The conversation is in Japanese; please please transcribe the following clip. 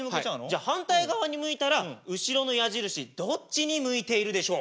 じゃあ反対側に向いたら後ろの矢印どっちに向いているでしょう。